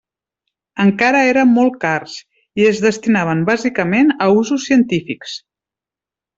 Encara eren molt cars, i es destinaven bàsicament a usos científics.